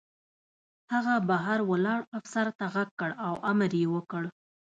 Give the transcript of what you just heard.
هغه بهر ولاړ افسر ته غږ کړ او امر یې وکړ